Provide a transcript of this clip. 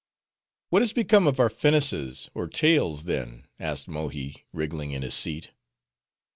"What has become of our finises, or tails, then?" asked Mohi, wriggling in his seat.